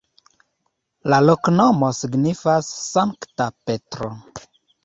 La loknomo signifas: Sankta Petro.